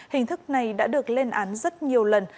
hình thức này đã được lên án rất nhiều lần